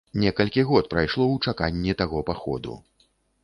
Некалькі год прайшло ў чаканні таго паходу.